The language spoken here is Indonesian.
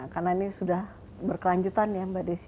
karena ini sudah berkelanjutan ya mbak desy